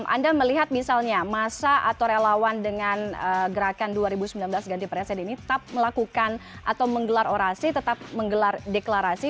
anda melihat misalnya masa atau relawan dengan gerakan dua ribu sembilan belas ganti presiden ini tetap melakukan atau menggelar orasi tetap menggelar deklarasi